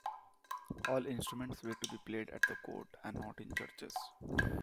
All instruments were to be played at the court and not in churches.